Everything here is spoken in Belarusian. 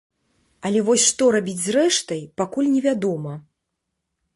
Але вось што рабіць з рэштай, пакуль невядома.